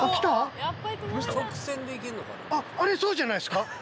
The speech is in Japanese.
あれそうじゃないですか？